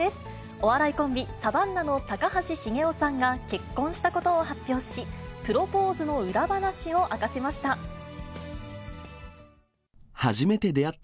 お笑いコンビ、サバンナの高橋茂雄さんが結婚したことを発表し、プロポーズの裏話を明かしました。